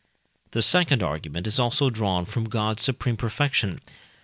The second argument is also drawn from God's supreme perfection.